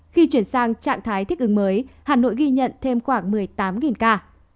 khi chuyển sang trạng thái thích ứng mới hà nội ghi nhận thêm khoảng một mươi tám ca